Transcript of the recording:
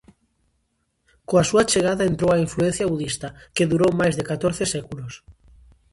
Coa súa chegada entrou a influencia budista, que durou máis de catorce séculos.